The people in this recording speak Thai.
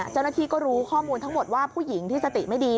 เจ้าหน้าที่ก็รู้ข้อมูลทั้งหมดว่าผู้หญิงที่สติไม่ดี